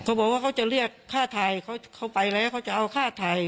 เขาบอกว่าเขาจะเรียกค่าไทยเขาไปแล้วเขาจะเอาค่าไทย